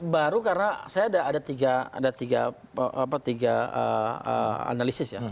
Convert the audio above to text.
baru karena saya ada tiga analisis ya